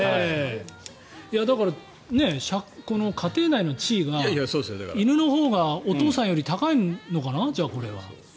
だから、家庭内の地位が犬のほうがお父さんより高いのかなじゃあこれは。